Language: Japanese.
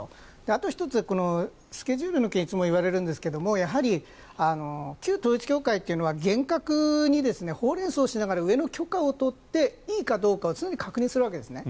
あと１つ、スケジュールの件をいつも言われるんですがやはり旧統一教会というのは厳格に報連相をしながら上の許可を取っていいかどうかを常に確認するんですね。